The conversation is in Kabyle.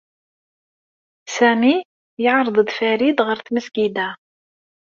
Sami yeɛreḍ-d Farid ɣer tmesgida.